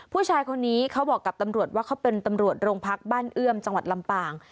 ผู้ชายคนนี้เขาบอกกับตำรวจว่าเขาเป็นตำรวจโรงพักบ้านเอื้อมจังหวัดลำปาง